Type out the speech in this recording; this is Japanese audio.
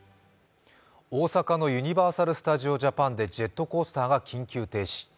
大阪のユニバーサル・スタジオ・ジャパンでジェットコースターが緊急停止。